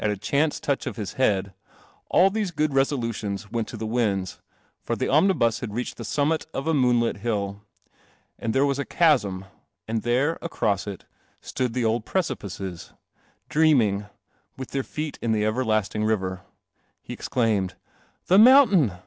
1 chailCC touch his head, all tl ilutions went*to the winds, for the omnibus had reached the summit •:!it hill, ami there was the chasm, and the .• d the old precipices, dream , with their teet in the everlasting river. He exclaimed, "The mountain!